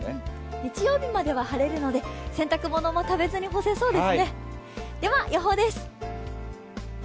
日曜日までは晴れるので洗濯物もためずに干せそうです。